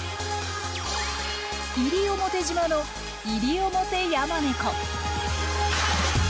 西表島のイリオモテヤマネコ。